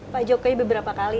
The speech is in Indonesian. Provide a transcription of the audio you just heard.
pak jokowi beberapa kali